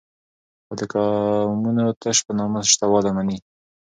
او دقومونو تش په نامه شته والى مني